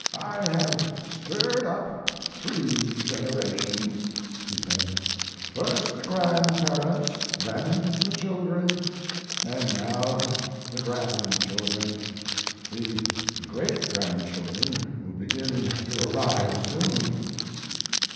"I have stirred up three generations," he said; "first the grandparents, then the children, and now the grandchildren; the great grandchildren will begin to arrive soon."